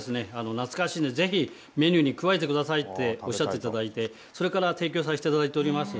懐かしんで、ぜひメニューに加えてくださいとおっしゃっていただいてそれから提供させていただいております。